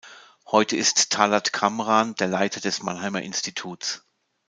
Heute ist Talat Kamran der Leiter des Mannheimer Instituts.